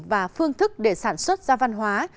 không có chủ thể và phương thức để sản xuất ra văn hóa